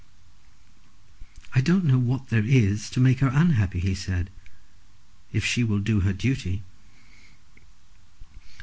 "I don't know what there is to make her unhappy," he said, "if she will do her duty."